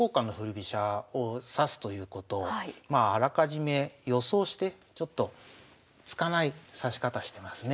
飛車を指すということをあらかじめ予想してちょっと突かない指し方してますね。